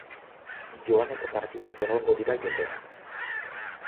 Joaneko partidak egongo dira jokoan.